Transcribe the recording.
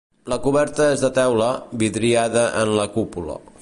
La coberta és de teula, vidriada en la cúpula.